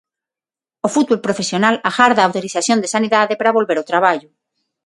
O fútbol profesional agarda a autorización de Sanidade para volver ao traballo.